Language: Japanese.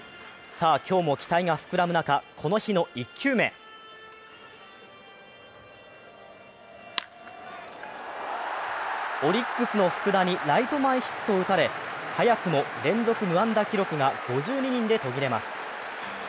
さあ今日も期待が膨らむ中、この日の１球目オリックスの福田にライト前ヒットを打たれ早くも連続無安打記録が５２人で途切れます。